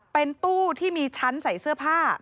เป็นตู้ที่มีชั้นใส่เสื้อผ้า